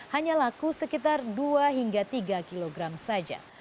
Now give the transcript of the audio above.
hanya laku sekitar dua hingga tiga kilogram saja